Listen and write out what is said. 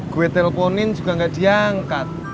gue telponin juga nggak diangkat